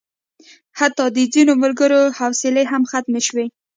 حتی د ځینو ملګرو حوصلې هم ختمې شوې.